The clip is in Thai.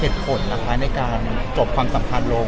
เหตุผลนะคะในการจบความสำคัญลง